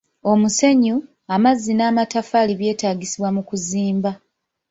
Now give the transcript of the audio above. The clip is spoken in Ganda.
Omusenyu, amazzi n'amataffaali byetaagisibwa mu kuzimba.